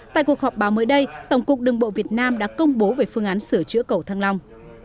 tại cuộc họp báo mới đây tổng cục đường bộ việt nam đã công bố về phương án sửa chữa cầu thăng long